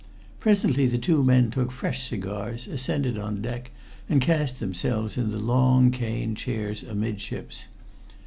"Presently the two men took fresh cigars, ascended on deck, and cast themselves in the long cane chairs amidships.